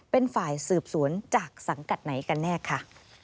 เป็นฝ่ายสืบสวนจากสังกัดไหนกันแน่ค่ะ